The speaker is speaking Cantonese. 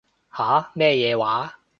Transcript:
吓？咩嘢話？